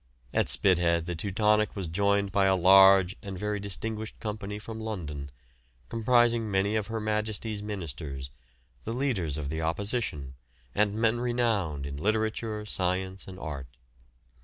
At Spithead the "Teutonic" was joined by a large and very distinguished company from London, comprising many of Her Majesty's Ministers, the leaders of the opposition, and men renowned in literature, science and art.